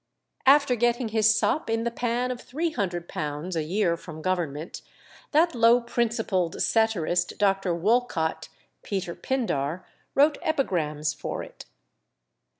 After getting his sop in the pan of £300 a year from Government, that low principled satirist, Dr. Wolcot (Peter Pindar), wrote epigrams for it.